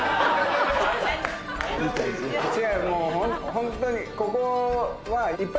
ホントにここは。